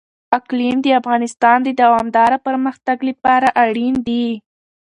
اقلیم د افغانستان د دوامداره پرمختګ لپاره اړین دي.